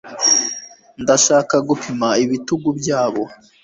Ndashaka gupima ibitugu byabo